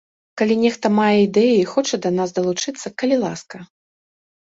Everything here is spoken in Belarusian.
Калі нехта мае ідэі і хоча да нас далучыцца, калі ласка!